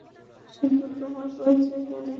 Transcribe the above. শুধু তোমার পরিচয় জানি।